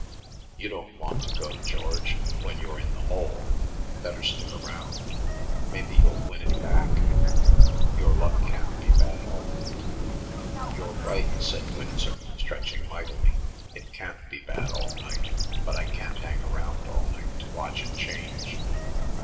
"You don't want to go, George, when you're in the hole. Better stick around. Maybe you'll win it back. Your luck can't be bad all night." "You're right," said Winsor, stretching mightily. "It can't be bad all night, but I can't hang around all night to watch it change.